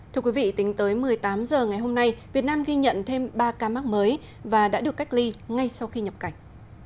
thưa quý vị tính tới một mươi tám h ngày hôm nay việt nam ghi nhận thêm ba ca mắc mới và đã được cách ly ngay sau khi nhập cảnh